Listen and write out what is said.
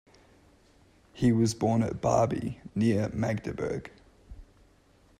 He was born at Barby, near Magdeburg.